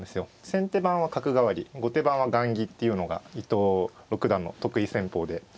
先手番は角換わり後手番は雁木っていうのが伊藤六段の得意戦法で。